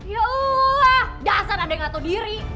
yooo dasar ada yang gatau diri